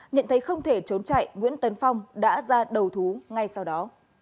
nhận thấy không thể trốn chạy nguyễn tấn phong đã ra đầu thú ngay sau đó